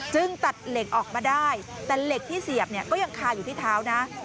ตัดเหล็กออกมาได้แต่เหล็กที่เสียบเนี่ยก็ยังคาอยู่ที่เท้านะ